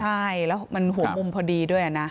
ใช่แล้วมันหัวมุมพอดีด้วยนะ